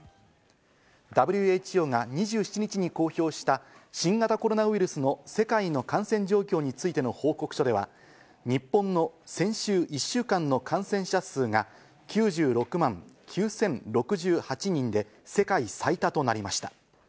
ＷＨＯが２７日に公表した新型コロナウイルスの世界の感染状況についての報告書では、日本の先週１週間の感染者数が９６万９０６８人で、世界最多となりました。